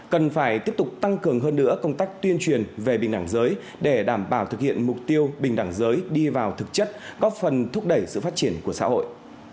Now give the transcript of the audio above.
cần phải tiếp tục tăng cường hơn nữa công tác tuyên truyền về bình đẳng giới để đảm bảo thực hiện mục tiêu bình đẳng giới đi vào thực chất góp phần thúc đẩy sự phát triển của xã hội